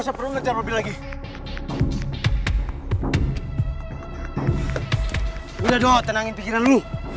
sudah dong tenangin pikiran lu